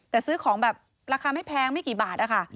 แต่ซื้อของแบบราคาไม่แพงไม่กี่บาทนะคะ